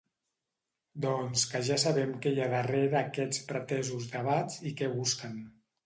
Doncs que ja sabem qui hi ha darrera aquests pretesos debats i què busquen.